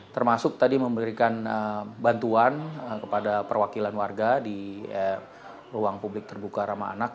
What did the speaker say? termasuk tadi memberikan bantuan kepada perwakilan warga di ruang publik terbuka ramah anak